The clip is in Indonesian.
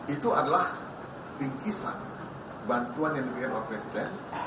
itu adalah bingkisan bantuan yang diberikan oleh presiden